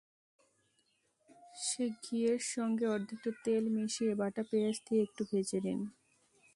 সেই ঘিয়ের সঙ্গে অর্ধেকটা তেল মিশিয়ে বাটা পেঁয়াজ দিয়ে একটু ভেজে নিন।